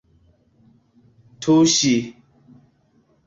tuŝi